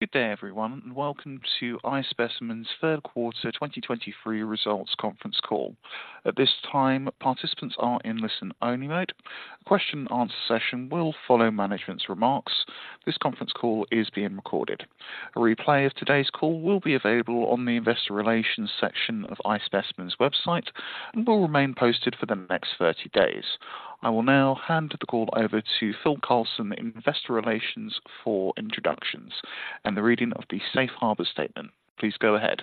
Good day, everyone, and welcome to iSpecimen's third quarter 2023 results conference call. At this time, participants are in listen-only mode. A question and answer session will follow management's remarks. This conference call is being recorded. A replay of today's call will be available on the investor relations section of iSpecimen's website and will remain posted for the next 30 days. I will now hand the call over to Phil Carlson, investor relations, for introductions and the reading of the Safe Harbor statement. Please go ahead.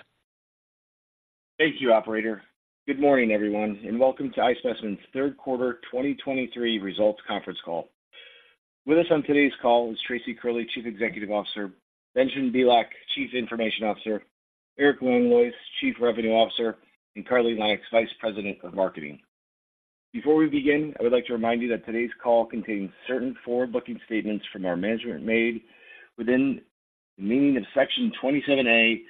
Thank you, operator. Good morning, everyone, and welcome to iSpecimen's third quarter 2023 results conference call. With us on today's call is Tracy Curley, Chief Executive Officer, Benjamin Bielak, Chief Information Officer, Eric Langlois, Chief Revenue Officer, and Carly Lejnieks, Vice President of Marketing. Before we begin, I would like to remind you that today's call contains certain forward-looking statements from our management made within the meaning of Section 27A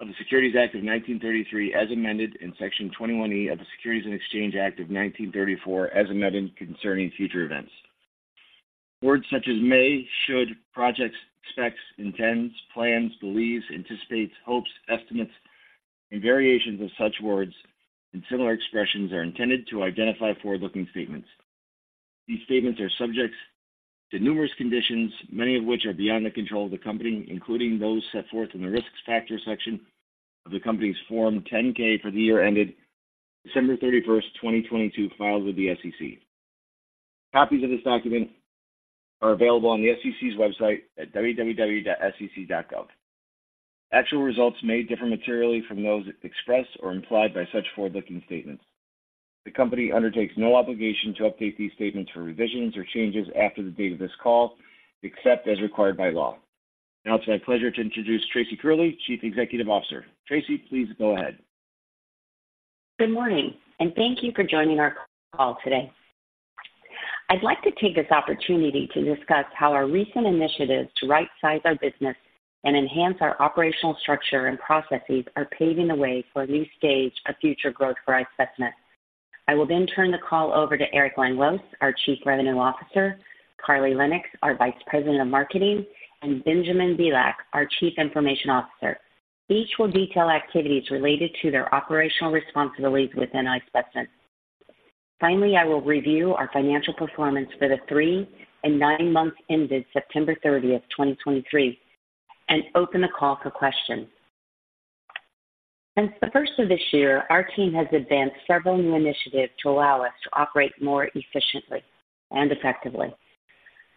of the Securities Act of 1933, as amended in Section 21E of the Securities and Exchange Act of 1934, as amended, concerning future events. Words such as may, should, projects, expects, intends, plans, believes, anticipates, hopes, estimates, and variations of such words and similar expressions are intended to identify forward-looking statements. These statements are subject to numerous conditions, many of which are beyond the control of the company, including those set forth in the Risk Factors section of the company's Form 10-K for the year ended December 31st, 2022, filed with the SEC. Copies of this document are available on the SEC's website at www.sec.gov. Actual results may differ materially from those expressed or implied by such forward-looking statements. The company undertakes no obligation to update these statements for revisions or changes after the date of this call, except as required by law. Now, it's my pleasure to introduce Tracy Curley, Chief Executive Officer. Tracy, please go ahead. Good morning, and thank you for joining our call today. I'd like to take this opportunity to discuss how our recent initiatives to rightsize our business and enhance our operational structure and processes are paving the way for a new stage of future growth for iSpecimen. I will then turn the call over to Eric Langlois, our Chief Revenue Officer, Carly Lejnieks, our Vice President of Marketing, and Benjamin Bielak, our Chief Information Officer. Each will detail activities related to their operational responsibilities within iSpecimen. Finally, I will review our financial performance for the three and nine months ended September 30th, 2023, and open the call for questions. Since the first of this year, our team has advanced several new initiatives to allow us to operate more efficiently and effectively.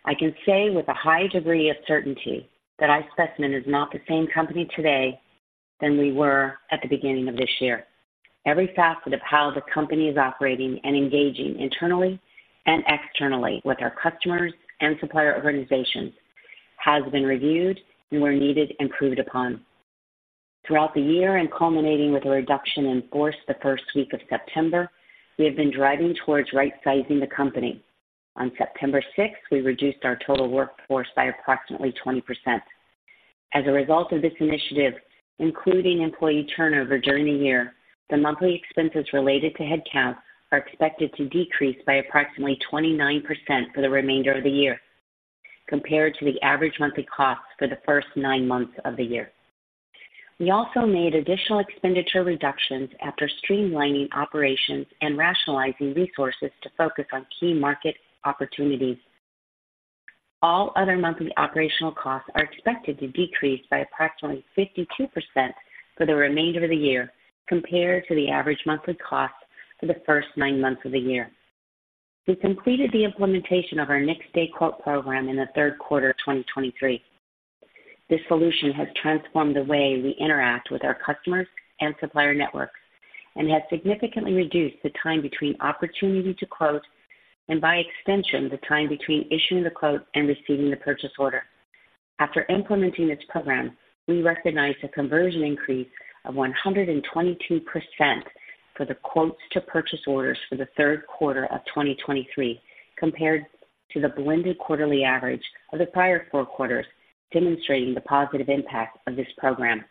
I can say with a high degree of certainty that iSpecimen is not the same company today than we were at the beginning of this year. Every facet of how the company is operating and engaging internally and externally with our customers and supplier organizations has been reviewed and, where needed, improved upon. Throughout the year and culminating with a reduction in force the first week of September, we have been driving towards rightsizing the company. On September 6th, we reduced our total workforce by approximately 20%. As a result of this initiative, including employee turnover during the year, the monthly expenses related to headcount are expected to decrease by approximately 29% for the remainder of the year, compared to the average monthly costs for the first nine months of the year. We also made additional expenditure reductions after streamlining operations and rationalizing resources to focus on key market opportunities. All other monthly operational costs are expected to decrease by approximately 52% for the remainder of the year, compared to the average monthly cost for the first nine months of the year. We completed the implementation of our next day quote program in the third quarter of 2023. This solution has transformed the way we interact with our customers and supplier networks and has significantly reduced the time between opportunity to quote and by extension, the time between issuing the quote and receiving the purchase order. After implementing this program, we recognized a conversion increase of 122% for the quotes to purchase orders for the third quarter of 2023, compared to the blended quarterly average of the prior four quarters, demonstrating the positive impact of this program.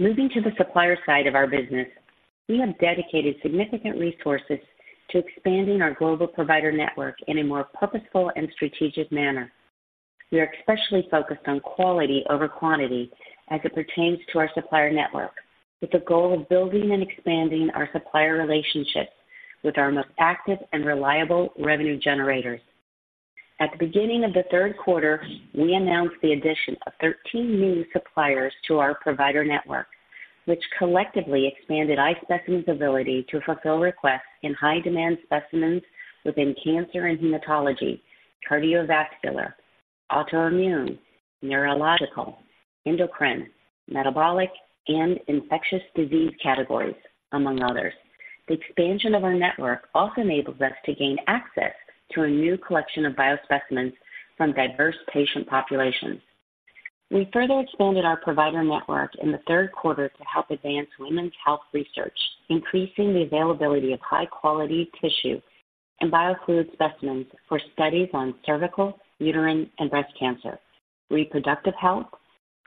Moving to the supplier side of our business, we have dedicated significant resources to expanding our global provider network in a more purposeful and strategic manner. We are especially focused on quality over quantity as it pertains to our supplier network, with the goal of building and expanding our supplier relationships with our most active and reliable revenue generators. At the beginning of the third quarter, we announced the addition of 13 new suppliers to our provider network, which collectively expanded iSpecimen's ability to fulfill requests in high demand specimens within cancer and hematology, cardiovascular, autoimmune, neurological, endocrine, metabolic, and infectious disease categories, among others. The expansion of our network also enables us to gain access to a new collection of biospecimens from diverse patient populations. We further expanded our provider network in the third quarter to help advance women's health research, increasing the availability of high-quality tissue and biofluid specimens for studies on cervical, uterine, and breast cancer, reproductive health,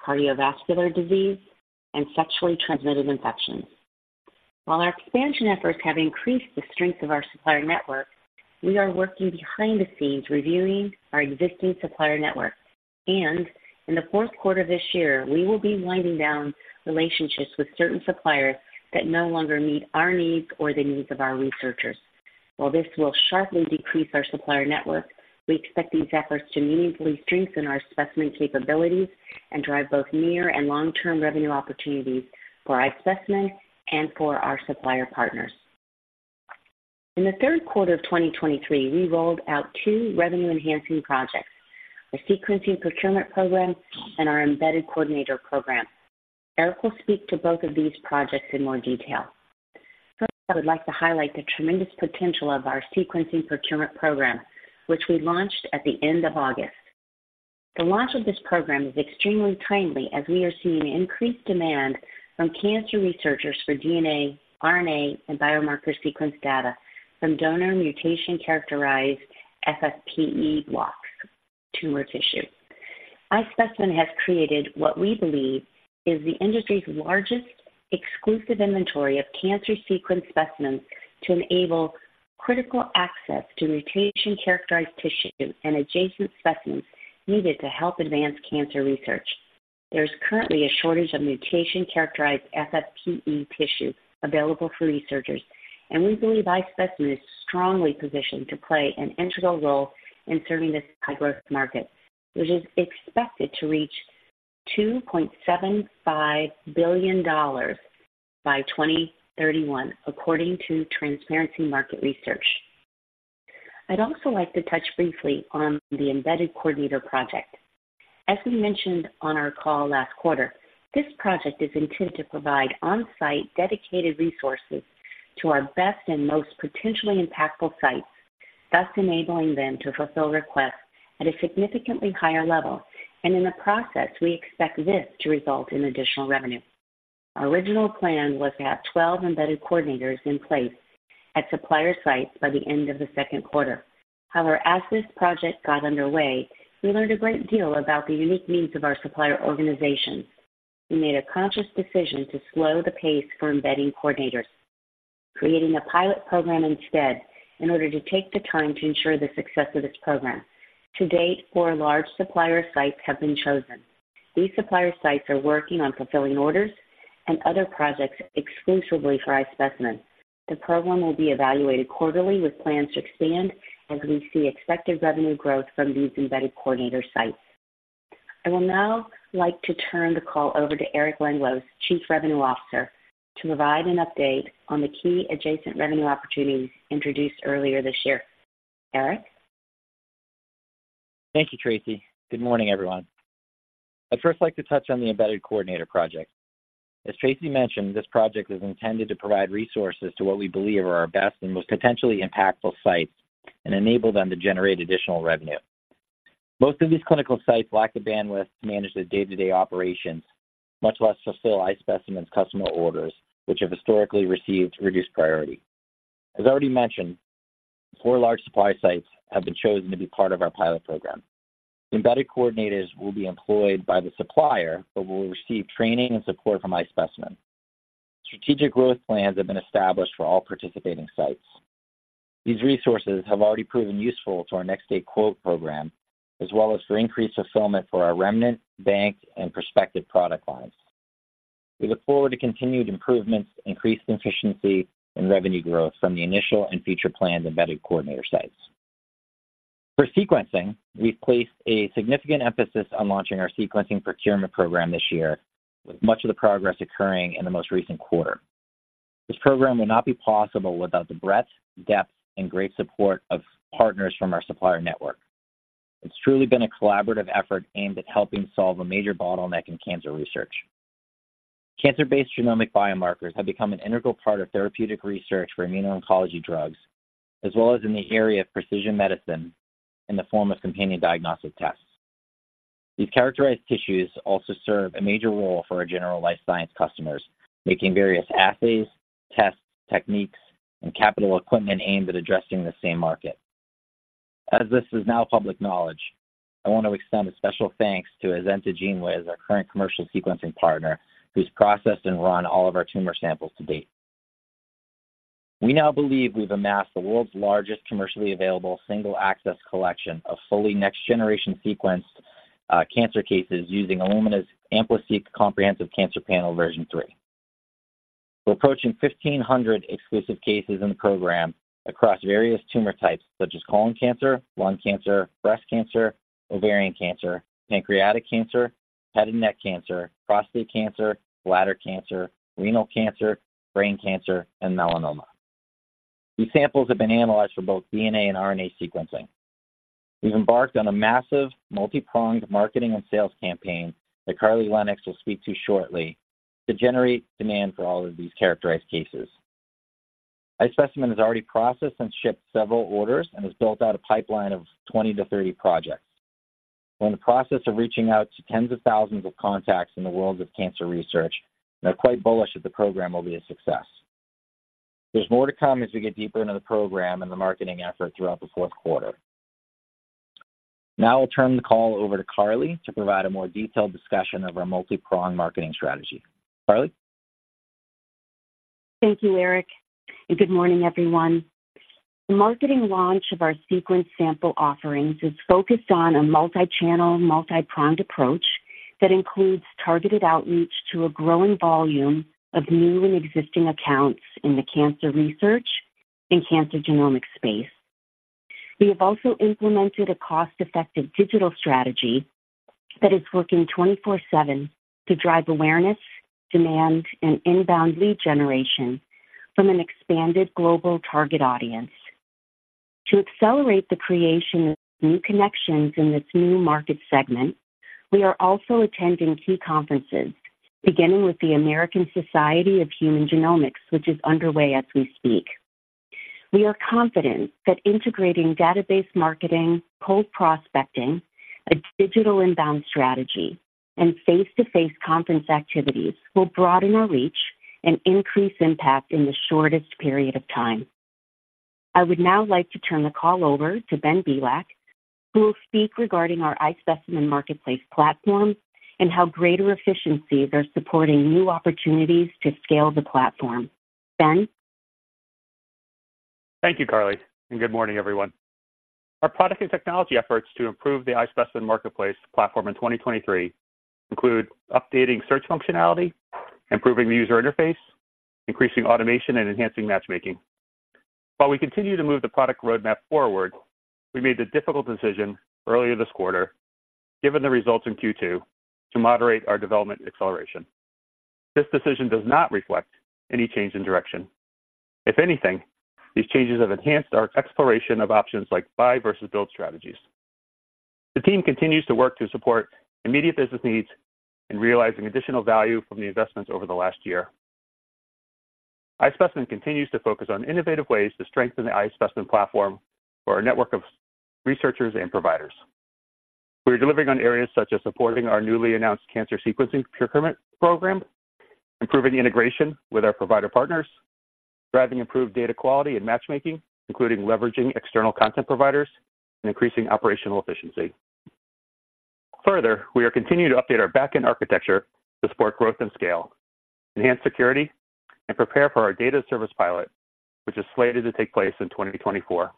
cardiovascular disease, and sexually transmitted infections. While our expansion efforts have increased the strength of our supplier network, we are working behind the scenes reviewing our existing supplier network. In the fourth quarter of this year, we will be winding down relationships with certain suppliers that no longer meet our needs or the needs of our researchers. While this will sharply decrease our supplier network, we expect these efforts to meaningfully strengthen our specimen capabilities and drive both near and long-term revenue opportunities for iSpecimen and for our supplier partners. In the third quarter of 2023, we rolled out two revenue-enhancing projects: a sequencing procurement program and our embedded coordinator program. Eric will speak to both of these projects in more detail. First, I would like to highlight the tremendous potential of our sequencing procurement program, which we launched at the end of August. The launch of this program is extremely timely, as we are seeing increased demand from cancer researchers for DNA, RNA, and biomarker sequence data from donor mutation characterized FFPE blocks tumor tissue. iSpecimen has created what we believe is the industry's largest exclusive inventory of cancer sequence specimens to enable critical access to mutation-characterized tissue and adjacent specimens needed to help advance cancer research. There's currently a shortage of mutation-characterized FFPE tissue available for researchers, and we believe iSpecimen is strongly positioned to play an integral role in serving this high-growth market, which is expected to reach $2.75 billion by 2031, according to Transparency Market Research. I'd also like to touch briefly on the embedded coordinator project. As we mentioned on our call last quarter, this project is intended to provide on-site, dedicated resources to our best and most potentially impactful sites, thus enabling them to fulfill requests at a significantly higher level, and in the process, we expect this to result in additional revenue. Our original plan was to have 12 embedded coordinators in place at supplier sites by the end of the second quarter. However, as this project got underway, we learned a great deal about the unique needs of our supplier organizations. We made a conscious decision to slow the pace for embedding coordinators, creating a pilot program instead, in order to take the time to ensure the success of this program. To date, four large supplier sites have been chosen. These supplier sites are working on fulfilling orders and other projects exclusively for iSpecimen. The program will be evaluated quarterly, with plans to expand as we see expected revenue growth from these embedded coordinator sites. I will now like to turn the call over to Eric Langlois, Chief Revenue Officer, to provide an update on the key adjacent revenue opportunities introduced earlier this year. Eric? Thank you, Tracy. Good morning, everyone. I'd first like to touch on the embedded coordinator project. As Tracy mentioned, this project is intended to provide resources to what we believe are our best and most potentially impactful sites and enable them to generate additional revenue. Most of these clinical sites lack the bandwidth to manage their day-to-day operations, much less fulfill iSpecimen's customer orders, which have historically received reduced priority. As already mentioned, four large supply sites have been chosen to be part of our pilot program. Embedded coordinators will be employed by the supplier but will receive training and support from iSpecimen. Strategic growth plans have been established for all participating sites. These resources have already proven useful to our next-day quote program, as well as for increased fulfillment for our remnant, bank, and prospective product lines. We look forward to continued improvements, increased efficiency, and revenue growth from the initial and future planned embedded coordinator sites. For sequencing, we've placed a significant emphasis on launching our sequencing procurement program this year, with much of the progress occurring in the most recent quarter. This program would not be possible without the breadth, depth, and great support of partners from our supplier network. It's truly been a collaborative effort aimed at helping solve a major bottleneck in cancer research. Cancer-based genomic biomarkers have become an integral part of therapeutic research for immuno-oncology drugs, as well as in the area of precision medicine in the form of companion diagnostic tests. These characterized tissues also serve a major role for our general life science customers, making various assays, tests, techniques, and capital equipment aimed at addressing the same market. As this is now public knowledge, I want to extend a special thanks to Azenta GENEWIZ, our current commercial sequencing partner, who's processed and run all of our tumor samples to date. We now believe we've amassed the world's largest commercially available single access collection of fully next-generation sequenced, cancer cases using Illumina's AmpliSeq Comprehensive Cancer Panel version three. We're approaching 1,500 exclusive cases in the program across various tumor types such as colon cancer, lung cancer, breast cancer, ovarian cancer, pancreatic cancer, head and neck cancer, prostate cancer, bladder cancer, renal cancer, brain cancer, and melanoma. These samples have been analyzed for both DNA and RNA sequencing. We've embarked on a massive, multi-pronged marketing and sales campaign that Carly Lejnieks will speak to shortly to generate demand for all of these characterized cases. iSpecimen has already processed and shipped several orders and has built out a pipeline of 20-30 projects. We're in the process of reaching out to tens of thousands of contacts in the world of cancer research, and are quite bullish that the program will be a success. There's more to come as we get deeper into the program and the marketing effort throughout the fourth quarter.... Now I'll turn the call over to Carly to provide a more detailed discussion of our multi-pronged marketing strategy. Carly? Thank you, Eric, and good morning, everyone. The marketing launch of our sequence sample offerings is focused on a multi-channel, multi-pronged approach that includes targeted outreach to a growing volume of new and existing accounts in the cancer research and cancer genomics space. We have also implemented a cost-effective digital strategy that is working 24/7 to drive awareness, demand, and inbound lead generation from an expanded global target audience. To accelerate the creation of new connections in this new market segment, we are also attending key conferences, beginning with the American Society of Human Genetics, which is underway as we speak. We are confident that integrating database marketing, cold prospecting, a digital inbound strategy, and face-to-face conference activities will broaden our reach and increase impact in the shortest period of time. I would now like to turn the call over to Ben Bielak, who will speak regarding our iSpecimen Marketplace platform and how greater efficiencies are supporting new opportunities to scale the platform. Ben? Thank you, Carly, and good morning, everyone. Our product and technology efforts to improve the iSpecimen Marketplace platform in 2023 include updating search functionality, improving the user interface, increasing automation, and enhancing matchmaking. While we continue to move the product roadmap forward, we made the difficult decision earlier this quarter, given the results in Q2, to moderate our development acceleration. This decision does not reflect any change in direction. If anything, these changes have enhanced our exploration of options like buy versus build strategies. The team continues to work to support immediate business needs and realizing additional value from the investments over the last year. iSpecimen continues to focus on innovative ways to strengthen the iSpecimen Platform for our network of researchers and providers. We are delivering on areas such as supporting our newly announced cancer sequencing procurement program, improving the integration with our provider partners, driving improved data quality and matchmaking, including leveraging external content providers, and increasing operational efficiency. Further, we are continuing to update our back-end architecture to support growth and scale, enhance security, and prepare for our data service pilot, which is slated to take place in 2024.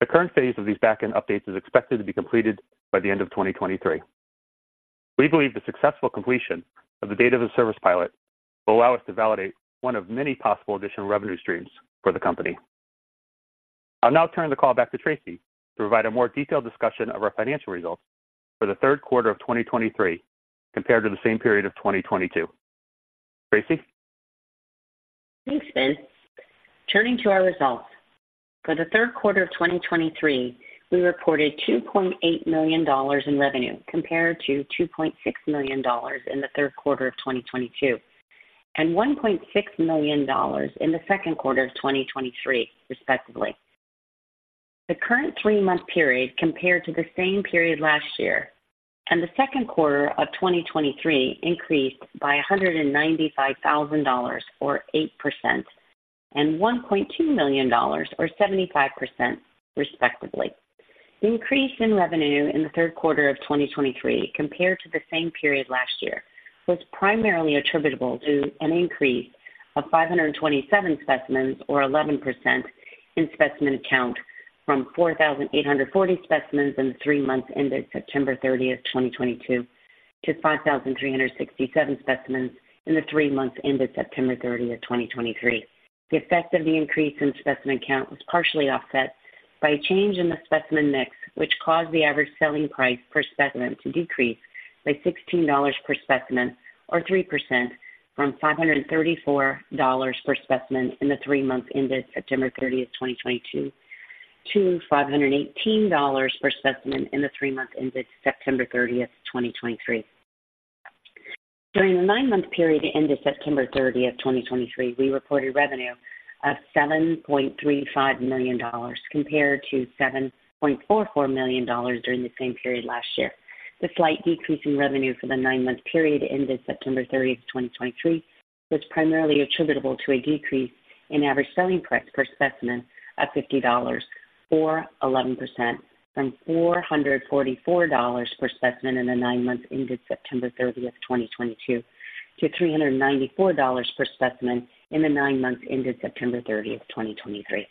The current phase of these back-end updates is expected to be completed by the end of 2023. We believe the successful completion of the data service pilot will allow us to validate one of many possible additional revenue streams for the company. I'll now turn the call back to Tracy to provide a more detailed discussion of our financial results for the third quarter of 2023 compared to the same period of 2022. Tracy? Thanks, Ben. Turning to our results. For the third quarter of 2023, we reported $2.8 million in revenue, compared to $2.6 million in the third quarter of 2022, and $1.6 million in the second quarter of 2023, respectively. The current three-month period, compared to the same period last year and the second quarter of 2023, increased by $195,000, or 8%, and $1.2 million, or 75%, respectively. The increase in revenue in the third quarter of 2023 compared to the same period last year was primarily attributable to an increase of 527 specimens, or 11%, in specimen count from 4,840 specimens in the three months ended September 30th, 2022, to 5,367 specimens in the three months ended September 30th, 2023. The effect of the increase in specimen count was partially offset by a change in the specimen mix, which caused the average selling price per specimen to decrease by $16 per specimen, or 3%, from $534 per specimen in the three months ended September 30th, 2022, to $518 per specimen in the three months ended September 30th, 2023. During the nine-month period ended September 30th, 2023, we reported revenue of $7.35 million, compared to $7.44 million during the same period last year. The slight decrease in revenue for the nine-month period ended September 30, 2023, was primarily attributable to a decrease in average selling price per specimen of $50, or 11%, from $444 per specimen in the nine months ended September 30th, 2022, to $394 per specimen in the nine months ended September 30, 2023.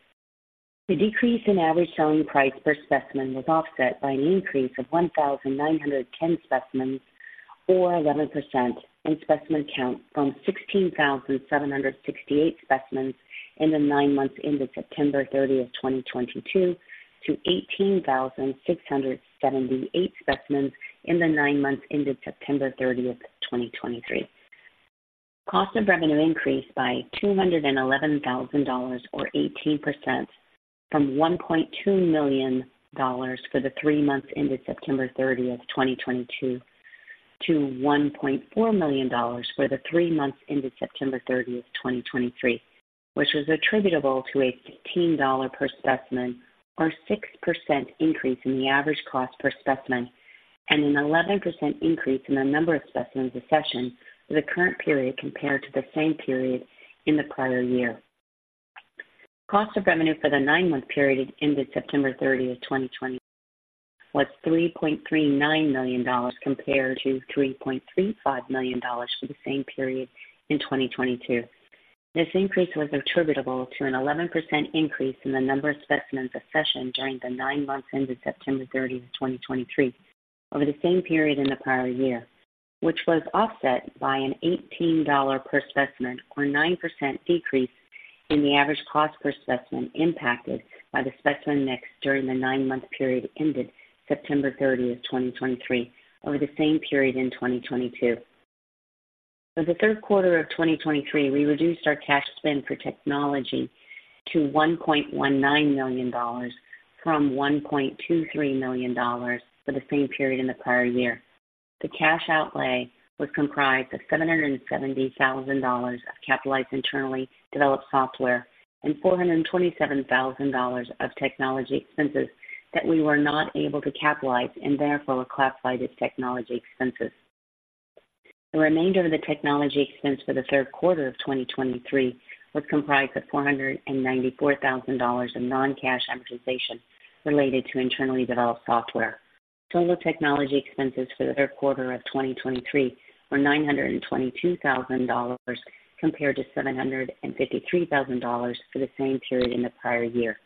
The decrease in average selling price per specimen was offset by an increase of 1,910 specimens, or 11%, in specimen count from 16,768 specimens in the nine months ended September 30th, 2022, to 18,678 specimens in the nine months ended September 30th, 2023. Cost of revenue increased by $211,000, or 18%, from $1.2 million for the three months ended September 30th, 2022, to $1.4 million for the three months ended September 30th, 2023, which was attributable to a $15 per specimen, or 6% increase in the average cost per specimen, and an 11% increase in the number of specimens accession for the current period compared to the same period in the prior year. Cost of revenue for the nine-month period ended September 30th, 2023, was $3.39 million compared to $3.35 million for the same period in 2022. This increase was attributable to an 11% increase in the number of specimens accessioned during the nine months ended September 30, 2023, over the same period in the prior year, which was offset by an $18 per specimen or 9% decrease in the average cost per specimen, impacted by the specimen mix during the nine-month period ended September 30th, 2023, over the same period in 2022. For the third quarter of 2023, we reduced our cash spend for technology to $1.19 million from $1.23 million for the same period in the prior year. The cash outlay was comprised of $770,000 of capitalized internally developed software and $427,000 of technology expenses that we were not able to capitalize and therefore were classified as technology expenses. The remainder of the technology expense for the third quarter of 2023 was comprised of $494,000 in non-cash amortization related to internally developed software. Total technology expenses for the third quarter of 2023 were $922,000 compared to $753,000 for the same period in the prior year.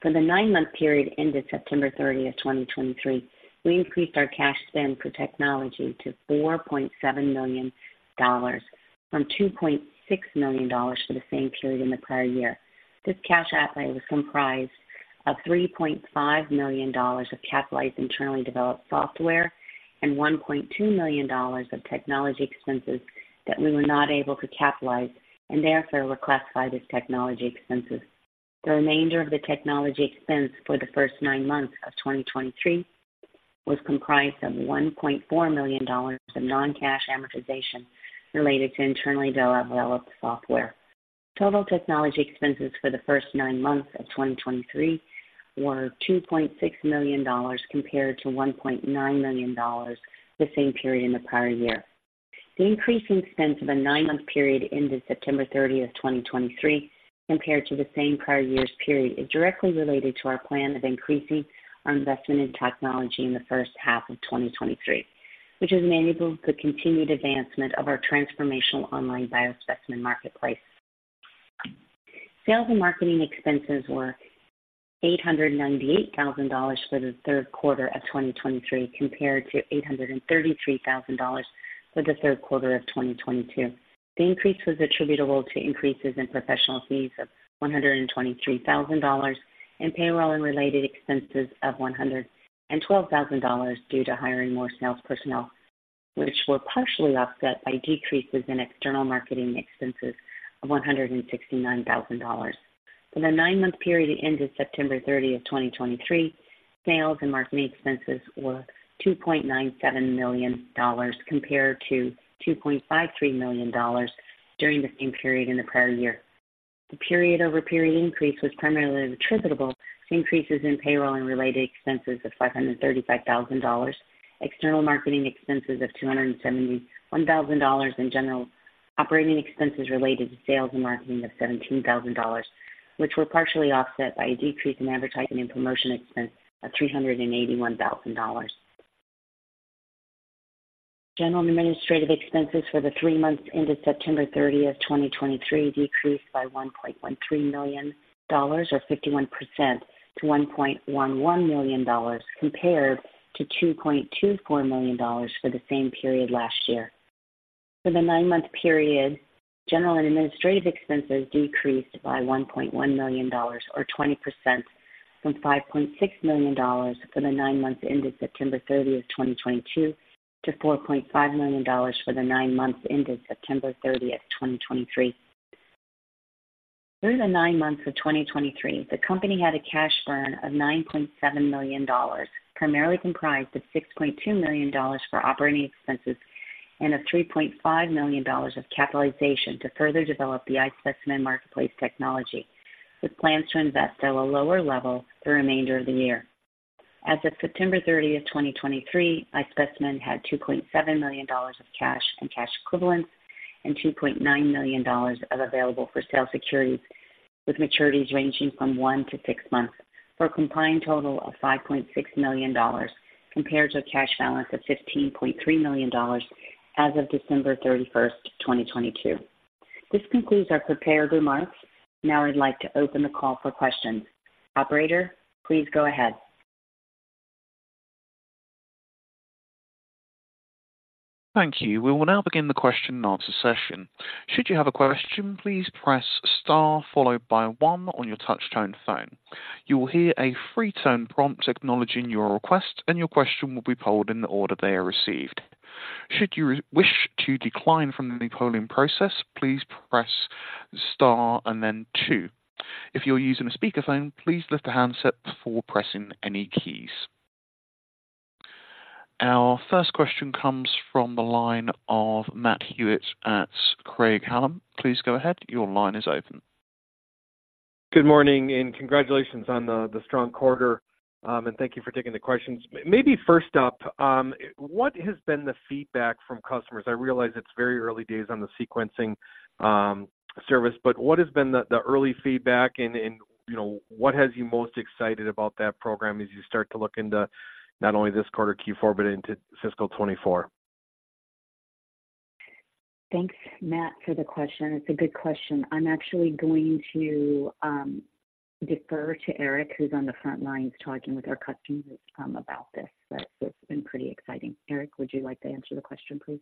For the nine-month period ended September 30th, 2023, we increased our cash spend for technology to $4.7 million from $2.6 million for the same period in the prior year. This cash outlay was comprised of $3.5 million of capitalized internally developed software and $1.2 million of technology expenses that we were not able to capitalize and therefore were classified as technology expenses. The remainder of the technology expense for the first nine months of 2023 was comprised of $1.4 million of non-cash amortization related to internally developed software. Total technology expenses for the first nine months of 2023 were $2.6 million compared to $1.9 million the same period in the prior year. The increase in expense of a nine-month period ended September 30th, 2023, compared to the same prior year's period, is directly related to our plan of increasing our investment in technology in the first half of 2023, which has enabled the continued advancement of our transformational online biospecimen marketplace. Sales and marketing expenses were $898,000 for the third quarter of 2023, compared to $833,000 for the third quarter of 2022. The increase was attributable to increases in professional fees of $123,000 and payroll and related expenses of $112,000 due to hiring more sales personnel, which were partially offset by decreases in external marketing expenses of $169,000. For the nine-month period ended September 30th, 2023, sales and marketing expenses were $2.97 million compared to $2.53 million during the same period in the prior year. The period-over-period increase was primarily attributable to increases in payroll and related expenses of $535,000, external marketing expenses of $271,000, and general operating expenses related to sales and marketing of $17,000, which were partially offset by a decrease in advertising and promotion expense of $381,000. General and administrative expenses for the three months ended September 30th, 2023, decreased by $1.13 million, or 51% to $1.11 million, compared to $2.24 million for the same period last year. For the nine-month period, general and administrative expenses decreased by $1.1 million, or 20% from $5.6 million for the nine months ended September 30th, 2022, to $4.5 million for the nine months ended September 30th, 2023. Through the nine months of 2023, the company had a cash burn of $9.7 million, primarily comprised of $6.2 million for operating expenses and a $3.5 million of capitalization to further develop the iSpecimen Marketplace technology, with plans to invest at a lower level the remainder of the year. As of September 30th, 2023, iSpecimen had $2.7 million of cash and cash equivalents and $2.9 million of available for sale securities, with maturities ranging from one to six months for a combined total of $5.6 million, compared to a cash balance of $15.3 million as of December 31st, 2022. This concludes our prepared remarks. Now I'd like to open the call for questions. Operator, please go ahead. Thank you. We will now begin the question and answer session. Should you have a question, please press star followed by one on your touchtone phone. You will hear a free tone prompt acknowledging your request, and your question will be polled in the order they are received. Should you wish to decline from the polling process, please press star and then two. If you're using a speakerphone, please lift the handset before pressing any keys. Our first question comes from the line of Matt Hewitt at Craig-Hallum. Please go ahead. Your line is open.... Good morning, and congratulations on the strong quarter. Thank you for taking the questions. Maybe first up, what has been the feedback from customers? I realize it's very early days on the sequencing service, but what has been the early feedback and, you know, what has you most excited about that program as you start to look into not only this quarter, Q4, but into fiscal 2024? Thanks, Matt, for the question. It's a good question. I'm actually going to defer to Eric, who's on the front lines, talking with our customers, about this. But it's been pretty exciting. Eric, would you like to answer the question, please?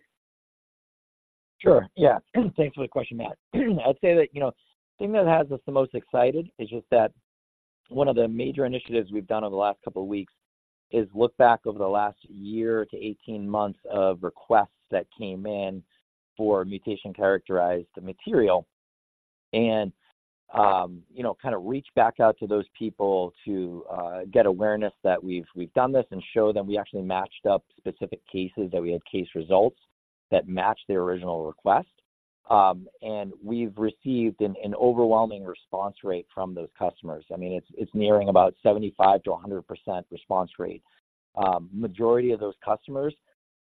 Sure, yeah. Thanks for the question, Matt. I'd say that, you know, the thing that has us the most excited is just that one of the major initiatives we've done over the last couple of weeks is look back over the last year to 18 months of requests that came in for mutation characterized material. And, you know, kind of reach back out to those people to get awareness that we've done this and show them we actually matched up specific cases, that we had case results that matched their original request. And we've received an overwhelming response rate from those customers. I mean, it's nearing about 75%-100% response rate. Majority of those customers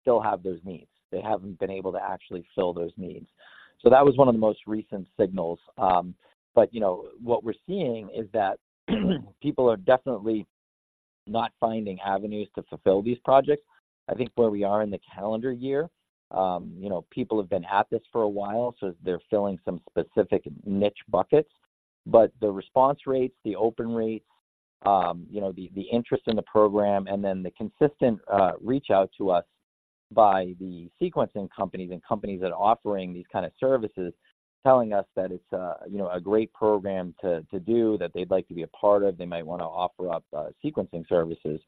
still have those needs. They haven't been able to actually fill those needs. So that was one of the most recent signals. But, you know, what we're seeing is that people are definitely not finding avenues to fulfill these projects. I think where we are in the calendar year, you know, people have been at this for a while, so they're filling some specific niche buckets. But the response rates, the open rates, you know, the interest in the program, and then the consistent reach out to us by the sequencing companies and companies that are offering these kind of services, telling us that it's a, you know, a great program to do, that they'd like to be a part of, they might want to offer up sequencing services,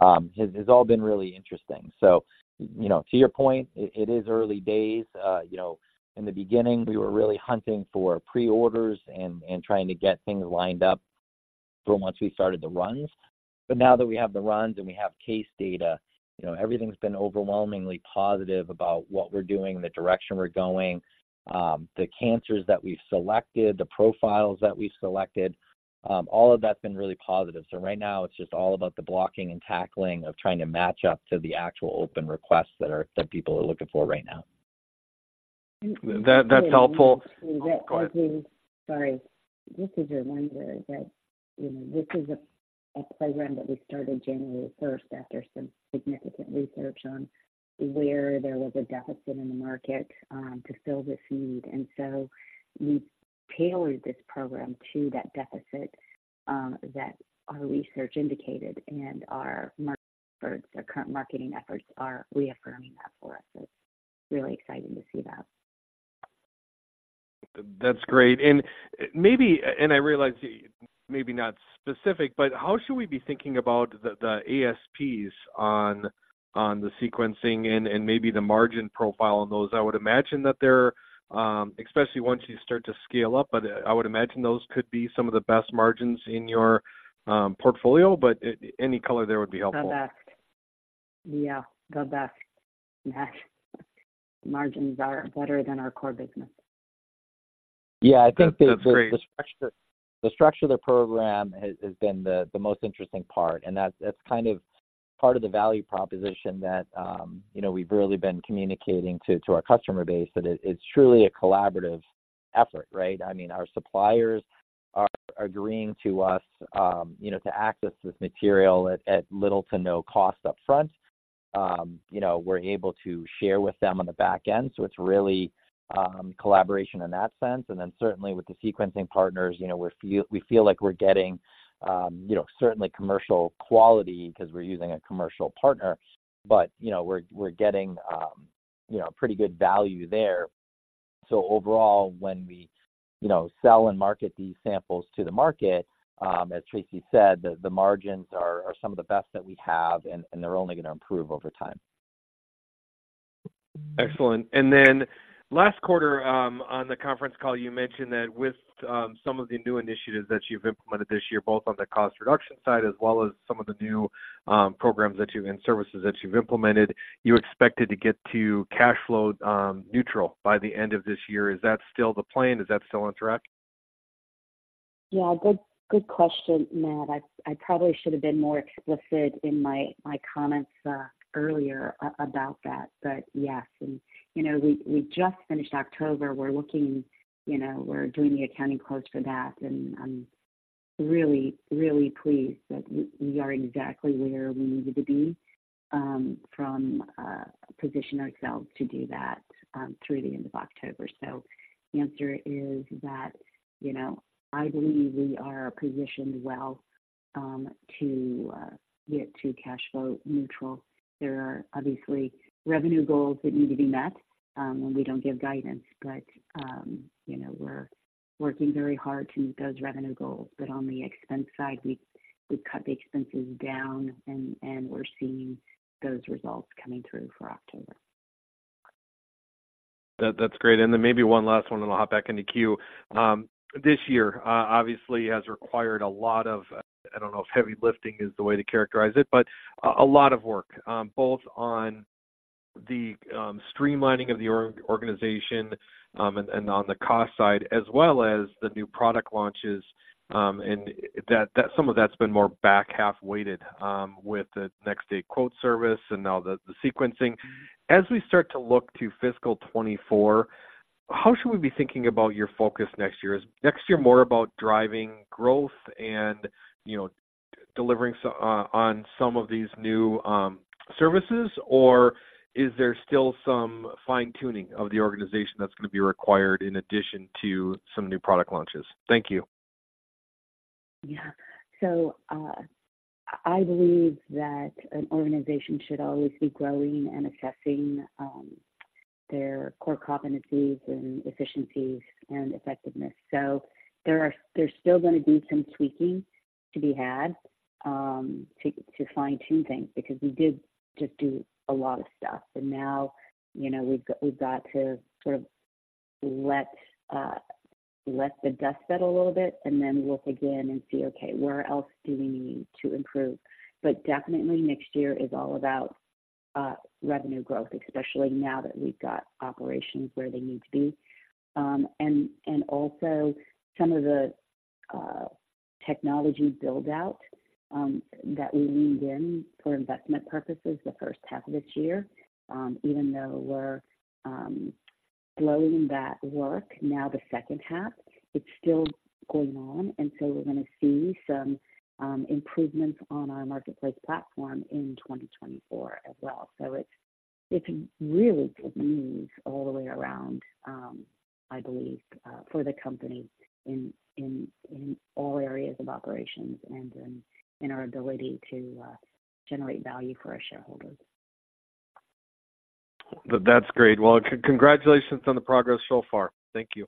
has all been really interesting. So, you know, to your point, it is early days. You know, in the beginning, we were really hunting for pre-orders and trying to get things lined up for once we started the runs. But now that we have the runs and we have case data, you know, everything's been overwhelmingly positive about what we're doing, the direction we're going, the cancers that we've selected, the profiles that we've selected, all of that's been really positive. So right now, it's just all about the blocking and tackling of trying to match up to the actual open requests that people are looking for right now. That, that's helpful. Go ahead. Sorry. This is a wonder that, you know, this is a program that we started January first, after some significant research on where there was a deficit in the market, to fill this need. And so we tailored this program to that deficit, that our research indicated, and our market, our current marketing efforts are reaffirming that for us. It's really exciting to see that. That's great. And maybe, and I realize maybe not specific, but how should we be thinking about the, the ASPs on, on the sequencing and, and maybe the margin profile on those? I would imagine that they're, especially once you start to scale up, but I would imagine those could be some of the best margins in your, portfolio, but any color there would be helpful. The best. Yeah, the best. Margins are better than our core business. Yeah, I think the- That's great... the structure of the program has been the most interesting part, and that's kind of part of the value proposition that, you know, we've really been communicating to our customer base, that it's truly a collaborative effort, right? I mean, our suppliers are agreeing to us, you know, to access this material at little to no cost upfront. You know, we're able to share with them on the back end, so it's really collaboration in that sense. And then certainly with the sequencing partners, you know, we feel like we're getting, you know, certainly commercial quality 'cause we're using a commercial partner, but, you know, we're getting, you know, pretty good value there. So overall, when we, you know, sell and market these samples to the market, as Tracy said, the margins are some of the best that we have, and they're only going to improve over time. Excellent. And then last quarter, on the conference call, you mentioned that with some of the new initiatives that you've implemented this year, both on the cost reduction side, as well as some of the new programs and services that you've implemented, you expected to get to cash flow neutral by the end of this year. Is that still the plan? Is that still on track? Yeah, good, good question, Matt. I probably should have been more explicit in my comments earlier about that. But yes, and you know, we just finished October. We're looking. You know, we're doing the accounting close for that, and I'm really, really pleased that we are exactly where we needed to be from position ourselves to do that through the end of October. So the answer is that, you know, I believe we are positioned well to get to cash flow neutral. There are obviously revenue goals that need to be met, and we don't give guidance, but you know, we're working very hard to meet those revenue goals. But on the expense side, we cut the expenses down, and we're seeing those results coming through for October. That, that's great. And then maybe one last one, and I'll hop back in the queue. This year, obviously, has required a lot of, I don't know if heavy lifting is the way to characterize it, but a lot of work, both on the streamlining of the organization, and on the cost side, as well as the new product launches. And that some of that's been more back half weighted, with the next day quote service and now the sequencing. As we start to look to fiscal 2024, how should we be thinking about your focus next year? Is next year more about driving growth and, you know, delivering on some of these new services? Or is there still some fine-tuning of the organization that's going to be required in addition to some new product launches? Thank you. Yeah. So, I believe that an organization should always be growing and assessing their core competencies and efficiencies and effectiveness. So there's still gonna be some tweaking to be had, to, to fine-tune things, because we did just do a lot of stuff. And now, you know, we've got to sort of let the dust settle a little bit and then look again and see, okay, where else do we need to improve? But definitely next year is all about revenue growth, especially now that we've got operations where they need to be. And also some of the technology build-out that we leaned in for investment purposes the first half of this year. Even though we're slowing that work now the second half, it's still going on. So we're gonna see some improvements on our marketplace platform in 2024 as well. So it's really good news all the way around, I believe, for the company in all areas of operations and in our ability to generate value for our shareholders. That's great. Well, congratulations on the progress so far. Thank you.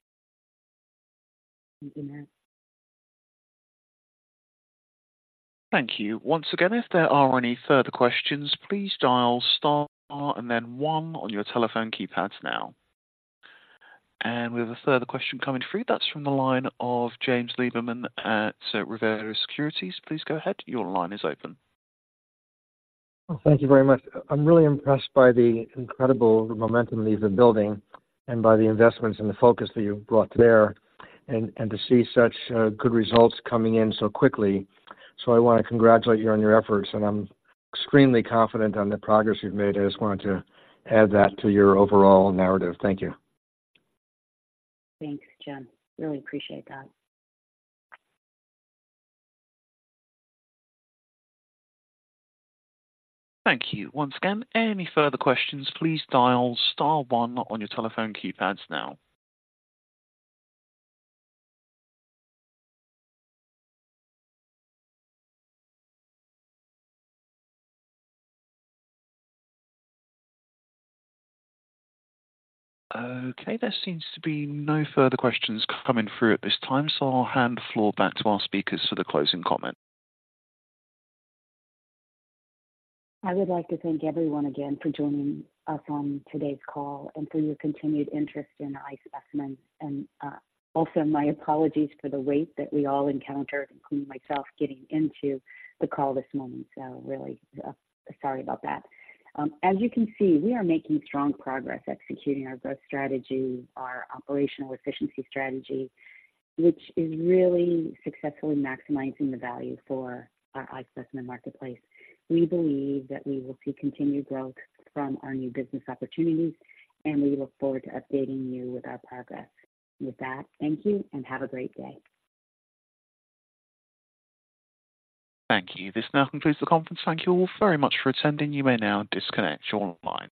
Thank you, Matt. Thank you. Once again, if there are any further questions, please dial star and then one on your telephone keypads now. We have a further question coming through. That's from the line of James Liberman at Revere Securities. Please go ahead. Your line is open. Well, thank you very much. I'm really impressed by the incredible momentum that you've been building and by the investments and the focus that you've brought there, and to see such good results coming in so quickly. So I want to congratulate you on your efforts, and I'm extremely confident on the progress you've made. I just wanted to add that to your overall narrative. Thank you. Thanks, Jim. Really appreciate that. Thank you. Once again, any further questions, please dial star one on your telephone keypads now. Okay, there seems to be no further questions coming through at this time, so I'll hand the floor back to our speakers for the closing comment. I would like to thank everyone again for joining us on today's call and for your continued interest in iSpecimen. And, also my apologies for the wait that we all encountered, including myself, getting into the call this morning. So really, sorry about that. As you can see, we are making strong progress executing our growth strategy, our operational efficiency strategy, which is really successfully maximizing the value for our iSpecimen Marketplace. We believe that we will see continued growth from our new business opportunities, and we look forward to updating you with our progress. With that, thank you and have a great day. Thank you. This now concludes the conference. Thank you all very much for attending. You may now disconnect your lines.